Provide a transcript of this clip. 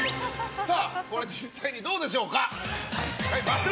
これは実際にどうでしょうか。